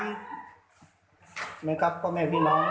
อะไรครับพ่อแม่พี่น้องเนี่ย